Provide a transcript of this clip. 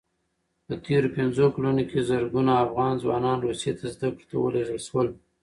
په تېرو پنځو کلونو کې زرګونه افغان ځوانان روسیې ته زدکړو ته ولېږل شول.